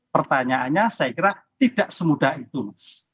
pertanyaannya saya kira tidak semudah itu mas